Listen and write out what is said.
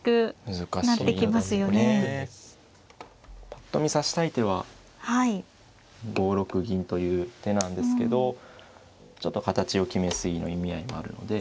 ぱっと見指したい手は５六銀という手なんですけどちょっと形を決め過ぎの意味合いもあるので。